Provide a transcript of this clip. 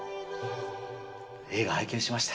映画、拝見しました。